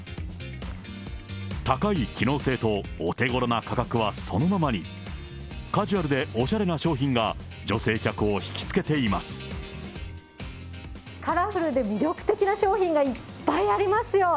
高い機能性とお手ごろな価格はそのままに、カジュアルでおしゃれな商品が、カラフルで魅力的な商品がいっぱいありますよ。